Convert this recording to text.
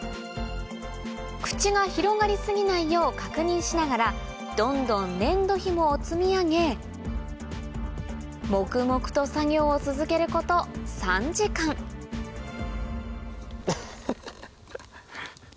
口が広がり過ぎないよう確認しながらどんどん粘土ひもを積み上げ黙々と作業を続けること３時間ハハハ。